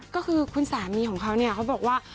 ก็คือคุณสามีของเขาเนี่ยเขาบอกว่า